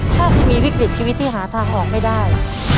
ถ้าคุณมีวิกฤตชีวิตที่หาทางออกไม่ได้